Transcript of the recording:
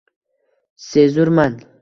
Sezurman